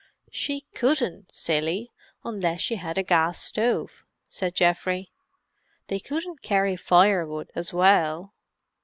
"She couldn't, silly, unless she had a gas stove," said Geoffrey. "They couldn't carry firewood as well.